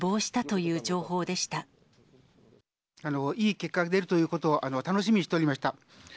いい結果が出るということを楽しみにしておりました。